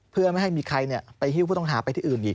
เพื่อไม่ให้มีใครไปหิ้วผู้ต้องหาไปที่อื่นอีก